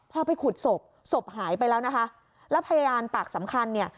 พอไปขุดศพศพหายไปแล้วนะคะแล้วพยานปากสำคัญเนี่ย